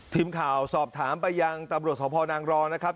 ทีมข่าวสอบถามไปยังตำรวจสพนางรองนะครับ